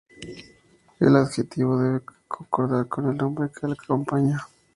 El adjetivo debe concordar con el nombre al que acompaña.